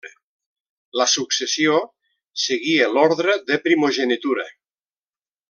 La successió seguia l'ordre de primogenitura.